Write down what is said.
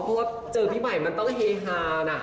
เพราะว่าเจอพี่ใหม่มันต้องเฮฮานะ